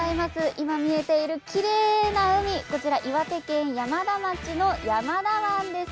今、見えているきれいな海岩手県山田町の山田湾です。